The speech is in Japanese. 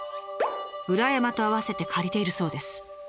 裏山とあわせて借りているそうです。